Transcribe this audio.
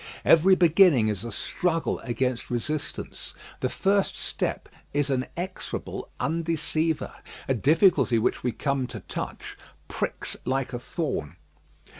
Every beginning is a struggle against resistance. The first step is an exorable undeceiver. A difficulty which we come to touch pricks like a thorn.